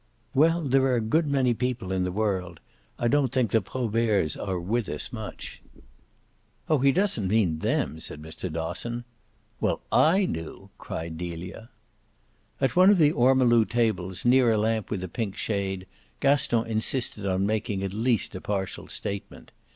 "Well, there are a good many people in the world. I don't think the Proberts are with us much." "Oh he doesn't mean them," said Mr. Dosson. "Well, I do!" cried Delia. At one of the ormolu tables, near a lamp with a pink shade, Gaston insisted on making at least a partial statement.